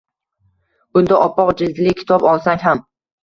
Bunda oppoq jildli kitob olsang ham